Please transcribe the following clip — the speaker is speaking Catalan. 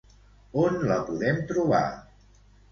On la podem trobar?